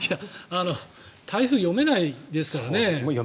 台風読めないですからね。